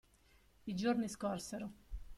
I giorni scorsero.